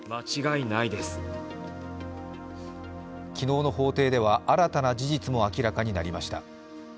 昨日の法廷では新たな事実も明らかになりました。